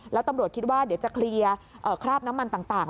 แล้วตำรวจคิดว่าเดี๋ยวจะเคลียร์คราบน้ำมันต่าง